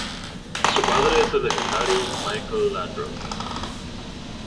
Su padre es el legendario Michael Laudrup.